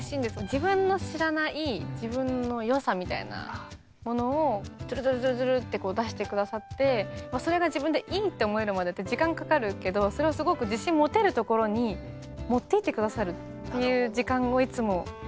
自分の知らない自分の良さみたいなものをズルズルズルズルってこう出して下さってそれが自分でいいって思えるまでって時間かかるけどそれをすごく自信持てるところに持っていって下さるっていう時間をいつも。